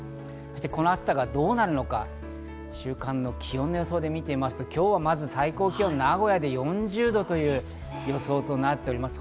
この暑さがどうなるのか、週間の気温の予想を見てみますと、今日は名古屋で４０度という予想となっております。